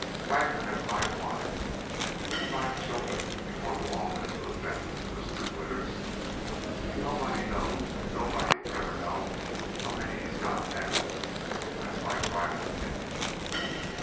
"Waggoner had five wives and fifty five children before the law went into effect," whispered Withers. "Nobody knows and nobody will ever know how many he's got now. That's my private opinion."